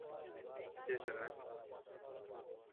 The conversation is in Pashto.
د خبرو اترو له لارې ستونزې حل کړئ.